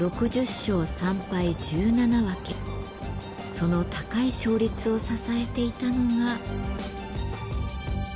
その高い勝率を支えていたのが。